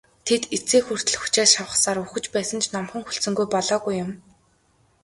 Тэд эцсээ хүртэл хүчээ шавхсаар үхэж байсан ч номхон хүлцэнгүй болоогүй юм.